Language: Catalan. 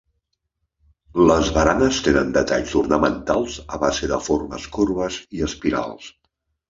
Les baranes tenen detalls ornamentals a base de formes corbes i espirals.